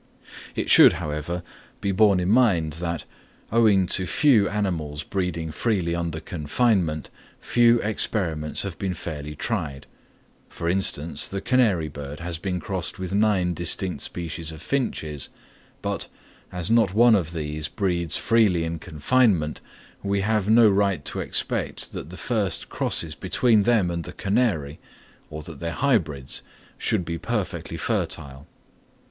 It should, however, be borne in mind that, owing to few animals breeding freely under confinement, few experiments have been fairly tried: for instance, the canary bird has been crossed with nine distinct species of finches, but, as not one of these breeds freely in confinement, we have no right to expect that the first crosses between them and the canary, or that their hybrids, should be perfectly fertile.